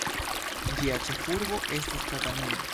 Ĝia ĉefurbo estas Katanio.